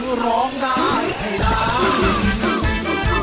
คือร้องได้ให้ร้าน